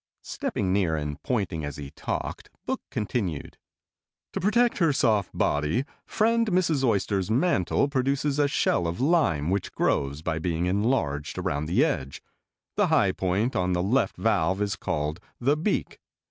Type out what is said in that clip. Stepping near and pointing as he talked, Book continued: "To protect her soft body, friend Mrs. Oyster's mantle produces a shell of lime which grows by being enlarged around the edge. The high point on the left valve is called the beak.